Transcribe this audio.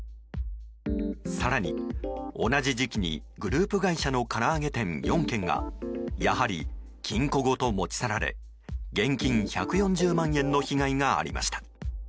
更に、同じ時期にグループ会社のから揚げ店４軒がやはり金庫ごと持ち去られ現金１４０万円の被害がありました。